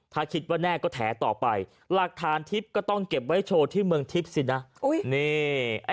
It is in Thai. ถ้าคิดว่าแน่ก็แถต่อไปหลักฐานทิพย์ก็ต้องเก็บไว้โชว์ที่เมืองทิพย์สินะ